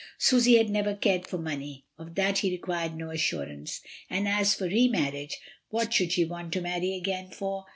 Susy had never cared for money, of that he required no as surance, and as for re marriage, what should she 4© MRS. DYMOND. want to marry again for?